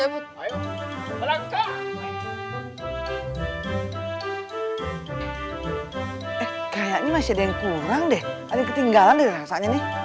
eh kayaknya masih ada yang kurang deh ada yang ketinggalan deh rasanya nih